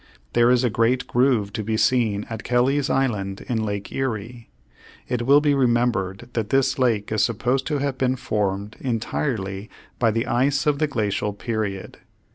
There is a great groove to be seen at Kelly's Island in Lake Erie. It will be remembered that this lake is supposed to have been formed entirely by the ice of the glacial period.